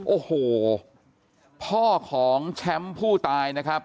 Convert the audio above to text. โอ้โหพ่อของแชมป์ผู้ตายนะครับ